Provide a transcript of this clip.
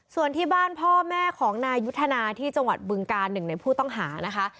ส่วนที่บ้านพ่อแม่ของนายยุทธนาที่จังหวัดบึงการหนึ่งในผู้ต้องหานะคะ